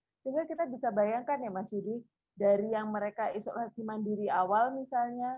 sehingga kita bisa bayangkan ya mas yudi dari yang mereka isolasi mandiri awal misalnya